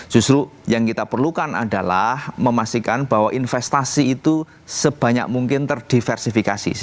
justru yang kita perlukan adalah memastikan bahwa investasi itu sebanyak mungkin terdiversifikasi